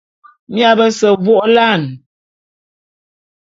Mia bese vô'ôla'an.